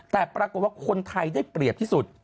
แต่ปรากฏว่าคนไทยได้เปรียบที่สุด